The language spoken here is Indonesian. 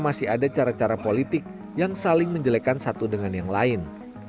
masih ada cara cara politik yang saling menjelekan satu dengan yang lain